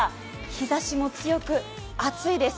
日ざしも強く暑いです。